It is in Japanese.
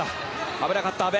危なかった、阿部。